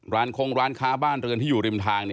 คงร้านค้าบ้านเรือนที่อยู่ริมทาง